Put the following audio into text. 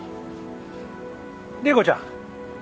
麗子ちゃん